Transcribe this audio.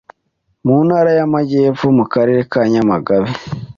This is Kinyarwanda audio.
Mu ntara y’Amajyepfo, mu karere ka Nyamagabe,